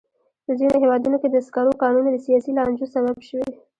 په ځینو هېوادونو کې د سکرو کانونه د سیاسي لانجو سبب شوي.